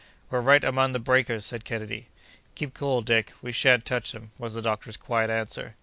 "We're right among the breakers!" said Kennedy. "Keep cool, Dick. We shan't touch them," was the doctor's quiet answer.